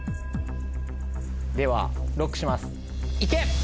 ではＬＯＣＫします。